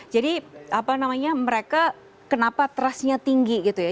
jadi apa namanya mereka kenapa trustnya tinggi gitu ya